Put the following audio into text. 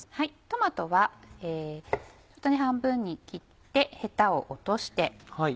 トマトは半分に切ってヘタを落として。